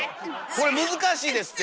これ難しいですって！